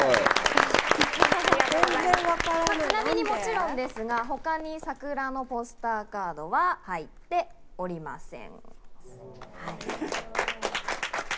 ちなみにもちろんですが、他に桜のポスターカードは入っておりません。